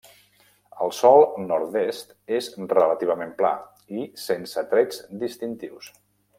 El sòl nord-est és relativament pla i sense trets distintius.